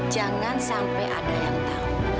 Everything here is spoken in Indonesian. jangan sampai ada yang tahu